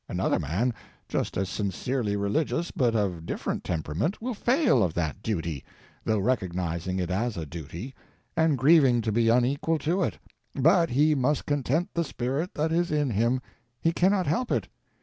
Another man, just as sincerely religious, but of different temperament, will fail of that duty, though recognizing it as a duty, and grieving to be unequal to it: but he must content the spirit that is in him—he cannot help it.